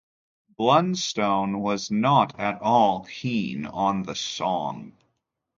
Blunstone was not at all keen on the song.